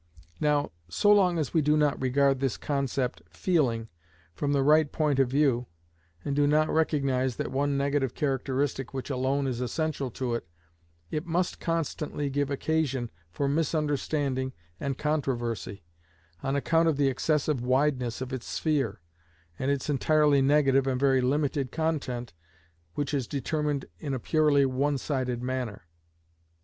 Now, so long as we do not regard this concept "feeling" from the right point of view, and do not recognise that one negative characteristic which alone is essential to it, it must constantly give occasion for misunderstanding and controversy, on account of the excessive wideness of its sphere, and its entirely negative and very limited content which is determined in a purely one sided manner.